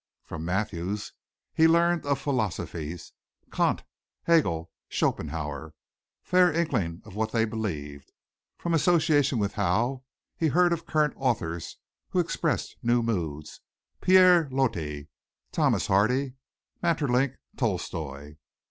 From Mathews he learned of philosophies Kant, Hegel, Schopenhauer faint inklings of what they believed. From association with Howe he heard of current authors who expressed new moods, Pierre Loti, Thomas Hardy, Maeterlinck, Tolstoi.